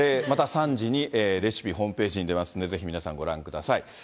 また３時にレシピ、ホームページに出ますんで、ぜひ皆さん、ご覧ください。